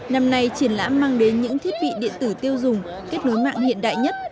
năm nay triển lãm mang đến những thiết bị điện tử tiêu dùng kết nối mạng hiện đại nhất